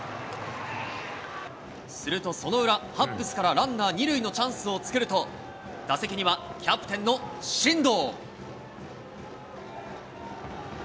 すると、その裏、ハッブスからランナー２塁のチャンスを作ると、打席にはキャプテンの進藤。